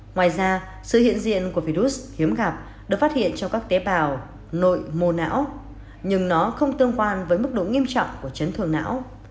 ngoài ra sự hiện diện của virus hiếm gặp được phát hiện trong các tế bào nội mô não nhưng nó không tương quan với mức độ nghiêm trọng của chấn thương não